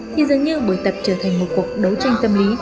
thì dường như buổi tập trở thành một cuộc đấu tranh tâm lý